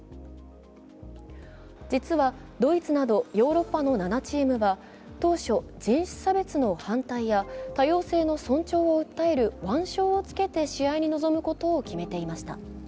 実はドイツなどヨーロッパの７チームは当初、人種差別の反対や多様性の尊重を訴える腕章をつけて試合に臨むことを決めていました。